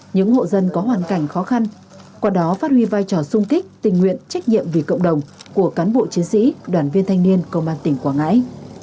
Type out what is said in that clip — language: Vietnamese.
những hộ dân có hoàn cảnh khó khăn qua đó phát huy vai trò sung kích tình nguyện trách nhiệm vì cộng đồng của cán bộ chiến sĩ đoàn viên thanh niên công an tỉnh quảng ngãi